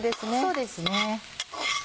そうですね。